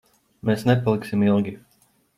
Mēs nepaliksim ilgi.